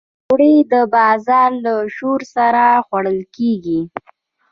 پکورې د بازار له شور سره خوړل کېږي